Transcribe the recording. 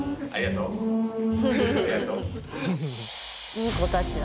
いい子たちだ。